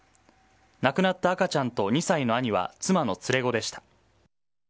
亡くなった赤ちゃんと２歳の兄は妻の連れ子でした。